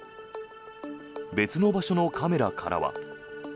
別の場所のカメラからは。